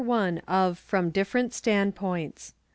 — Pa^e 124. From Different Standpoints.